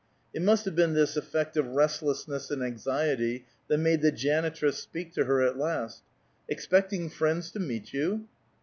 It must have been this effect of restlessness and anxiety that made the janitress speak to her at last: "Expecting friends to meet you?"